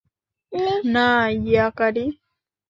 না, ইয়াকারি।